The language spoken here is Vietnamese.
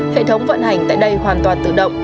hệ thống vận hành tại đây hoàn toàn tự động